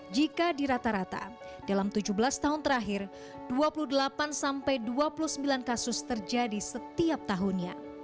jika di rata rata dalam tujuh belas tahun terakhir dua puluh delapan sampai dua puluh sembilan kasus terjadi setiap tahunnya